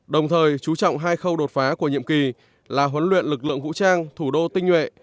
đồng thời chú trọng hai khâu đột phá của nhiệm kỳ là huấn luyện lực lượng vũ trang thủ đô tinh nhuệ